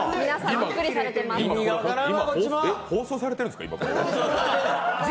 今、放送されてるんですか？